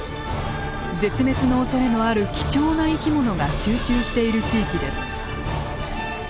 絶滅のおそれのある貴重な生き物が集中している地域です。